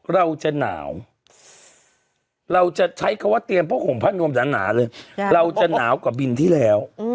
เราจะหนาวกว่าบินที่แล้ว